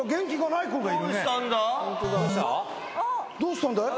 どうしたんだい？